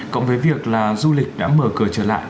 cộng với việc là du lịch đã mở cửa trở lại